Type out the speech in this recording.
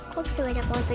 kok bisa banyak banget gitu